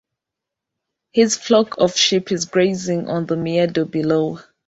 His flock of sheep is grazing on the meadow below.